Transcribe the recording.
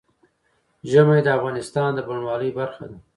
ژمی د افغانستان د بڼوالۍ برخه ده.